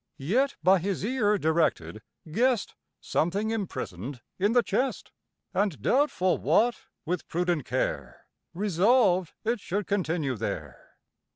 Yet, by his ear directed, guess'd Something imprison'd in the chest, And, doubtful what, with prudent care Resolved it should continue there.